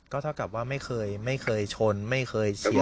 เท่ากับว่าไม่เคยไม่เคยชนไม่เคยเฉียว